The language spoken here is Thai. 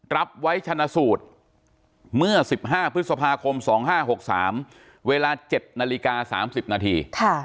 รับไว้ชนะสูตรเมื่อ๑๕พฤษภาคม๒๕๖๓เวลา๗นาฬิกา๓๐นาที